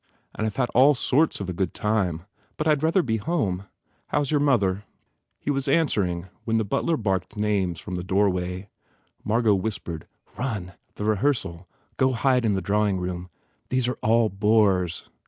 And I ve had all sorts of a good time. But I d rather be home. ... How s your mother?" 117 THE FAIR REWARDS He was answering when the butler barked names from the doorway. M argot whispered, "Run. The rehearsal. Go hide in the drawing room. These are all bores."